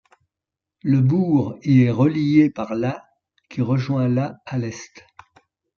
Le bourg y est relié par la qui rejoint la à l'est.